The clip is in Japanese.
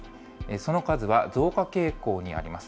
その数は増加傾向にあります。